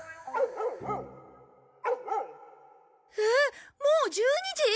ええっもう１２時！？